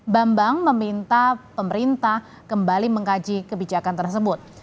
bambang meminta pemerintah kembali mengkaji kebijakan tersebut